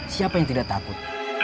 siapa yang tidak takut